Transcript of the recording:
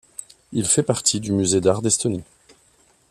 Il fait partie du musée d'art d'Estonie.